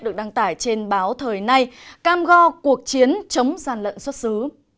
được đăng tải trên báo thời nay cam go cuộc chiến chống gian lận xuất xứ